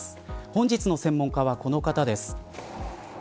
本日の専門家はこの方です。